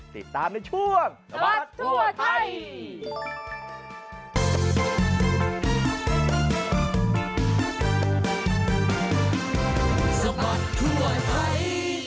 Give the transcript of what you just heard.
ติดตามในช่วงสบัดทั่วไทย